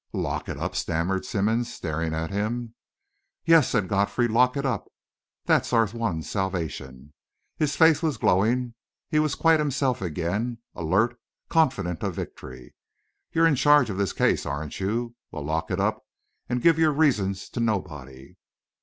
"Lock it up?" stammered Simmonds, staring at him. "Yes," said Godfrey, "lock it up. That's our one salvation!" His face was glowing; he was quite himself again, alert, confident of victory. "You're in charge of this case, aren't you? Well, lock it up, and give your reasons to nobody."